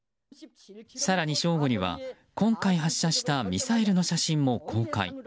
更に正午には今回発射したミサイルの写真も公開。